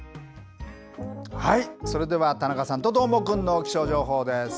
それでは田中さんとどーもくんの気象情報です。